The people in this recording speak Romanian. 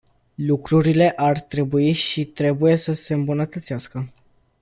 Lucrurile ar trebui și trebuie să se îmbunătățească.